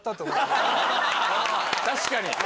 確かに。